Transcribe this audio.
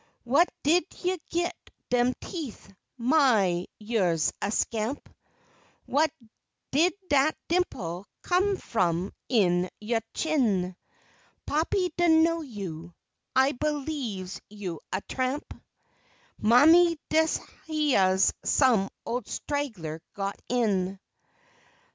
Whah did you git dem teef? My, you's a scamp! Whah did dat dimple come f'om in yo' chin? Pappy do' know you I b'lieves you's a tramp; Mammy, dis hyeah's some ol' straggler got in!